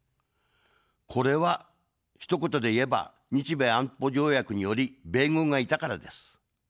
これは、ひと言で言えば、日米安保条約により、米軍がいたからです。